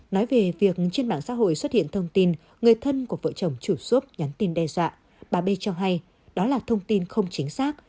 nói về việc trên mạng xã hội xuất hiện thông tin người thân của vợ chồng chủ nhắn tin đe dọa bà b cho hay đó là thông tin không chính xác